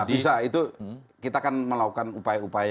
bisa itu kita kan melakukan upaya upaya